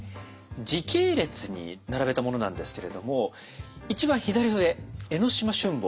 時系列に並べたものなんですけれども一番左上「江島春望」